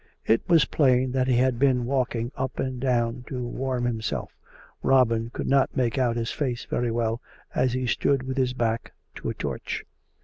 It was plain that he had been walking up and down to warm himself. Robin could not make out his face very well, as he stood with his back to a torch.